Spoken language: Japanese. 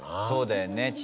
そうだよね。